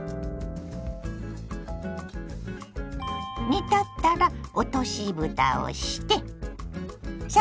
煮立ったら落としぶたをしてさらにふた。